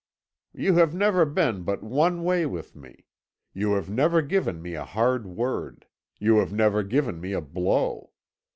"You have never been but one way with me; you have never given me a hard word; you have never given me a blow.